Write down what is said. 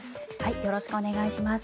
よろしくお願いします。